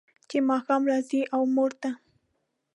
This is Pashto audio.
چې ماښام راځي و مور ته